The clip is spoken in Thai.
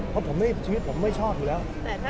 เพราะชีวิตผมไม่ชอบอยู่แล้ว